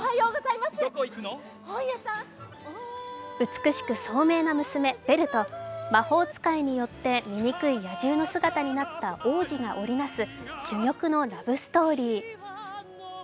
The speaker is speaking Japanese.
美しく聡明な娘・ベルと、魔法使いによって醜い野獣の姿になった王子が織りなす珠玉のラブストーリー。